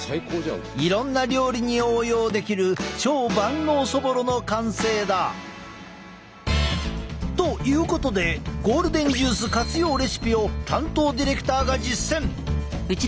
いろんな料理に応用できる超万能そぼろの完成だ。ということでゴールデンジュース活用レシピを担当ディレクターが実践！